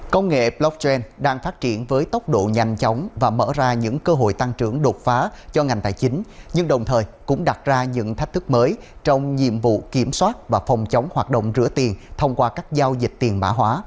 công nghệ blockchain đang phát triển với tốc độ nhanh chóng và mở ra những cơ hội tăng trưởng đột phá cho ngành tài chính nhưng đồng thời cũng đặt ra những thách thức mới trong nhiệm vụ kiểm soát và phòng chống hoạt động rửa tiền thông qua các giao dịch tiền mã hóa